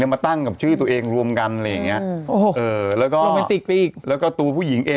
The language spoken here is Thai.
แล้วก็ตัวผู้หญิง